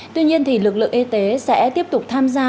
tuy nhiên thì lực lượng y tế sẽ tiếp tục tham gia